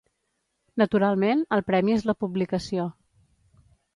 Naturalment, el premi és la publicació.